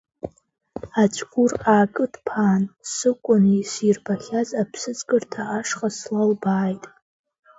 Аҵәгәыр аакыдԥаан, Сыкәын исирбахьаз аԥсыӡкырҭа ашҟа слалбааит.